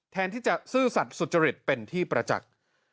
แทนที่จะซื่อสัตว์สุจริตเป็นที่ประจักษ์